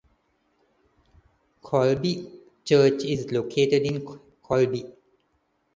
Kolby Church is located in Kolby.